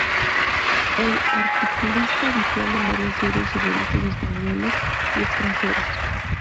Es articulista habitual en varios diarios y revistas españoles y extranjeros.